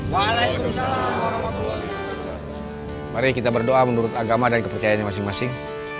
waalaikumsalam warahmatullahi wabarakatuh mari kita berdoa menurut agama dan kepercayaan masing masing